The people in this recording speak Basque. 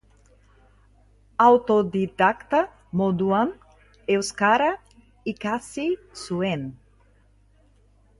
Autodidakta moduan, euskara ikasi zuen.